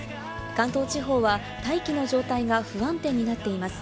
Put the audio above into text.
関東地方は大気の状態が不安定になっています。